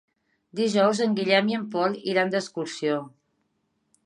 Dijous en Guillem i en Pol iran d'excursió.